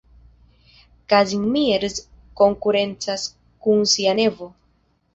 Kazimierz konkurencas kun sia nevo.